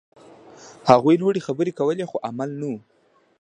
هغوی لوړې خبرې کولې، خو عمل نه و.